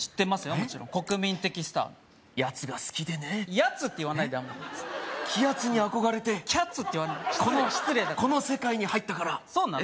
もちろん国民的スターやつが好きでねやつって言わないできやつに憧れてきゃつって言わないで失礼だからこの世界に入ったからそうなの？